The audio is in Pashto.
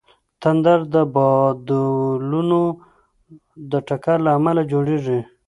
تندر د بادلونو د ټکر له امله جوړېږي.